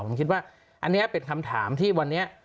ผมคิดว่าอันนี้เป็นคำถามที่วันนี้